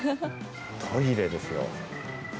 トイレですよ。